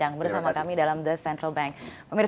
terima kasih mbak gania